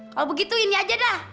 kalau begitu ini aja dah